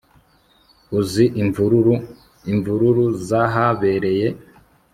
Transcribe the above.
uzi imvururu imvururu zahabereye